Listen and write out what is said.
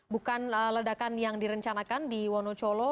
bukan ledakan yang direncanakan di wonocolo